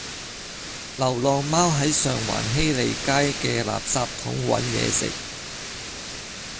流浪貓喺上環禧利街嘅垃圾桶搵野食